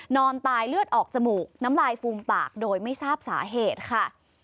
นอนตายเลือดออกจมูกน้ำลายฟูมปากโดยไม่ทราบสาเหตุค่ะ